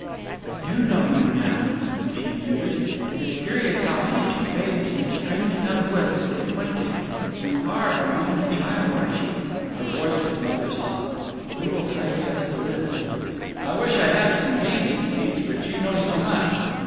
"I do know you now, "she mused. "It's curious how any two babes in a strange enough woods get acquainted. You are a lonely child, aren't you?" Her voice was mother soft. "We will play just a little—" "I wish I had some games to teach. But you know so much."